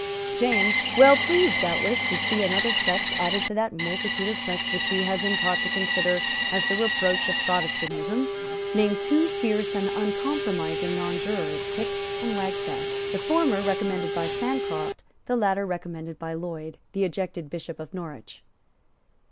James, well pleased, doubtless, to see another sect added to that multitude of sects which he had been taught to consider as the reproach of Protestantism, named two fierce and uncompromising nonjurors, Hickes and Wagstaffe, the former recommended by Sancroft, the latter recommended by Lloyd, the ejected Bishop of Norwich.